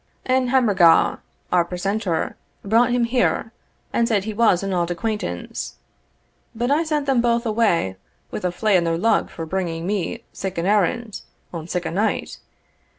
Ane Hammorgaw, our precentor, brought him here, and said he was an auld acquaintance; but I sent them both away wi' a flae in their lug for bringing me sic an errand, on sic a night.